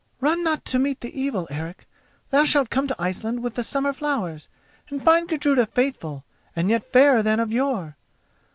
"Run not to meet the evil, Eric. Thou shalt come to Iceland with the summer flowers and find Gudruda faithful and yet fairer than of yore.